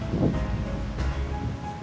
bahkan ketika tangan kanan kita mencopet